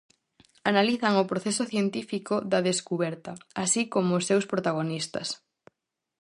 Analizan o proceso científico da descuberta, así como os seus protagonistas.